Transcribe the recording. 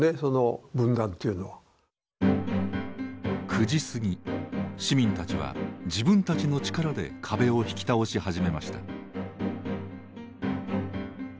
９時過ぎ市民たちは自分たちの力で壁を引き倒し始めました。